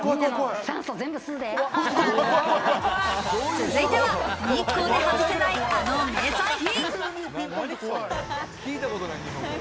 続いては日光で外せない、あの名産品。